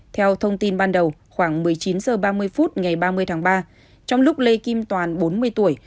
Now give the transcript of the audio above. theo thông tin ban đầu khoảng một mươi chín h ba mươi phút ngày ba mươi tháng ba trong lúc lê kim toàn bốn mươi tuổi